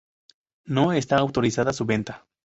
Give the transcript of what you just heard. No está autorizada su venta.